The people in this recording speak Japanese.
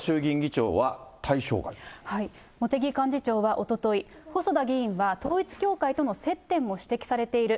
茂木幹事長はおととい、細田議員は統一教会との接点も指摘されている。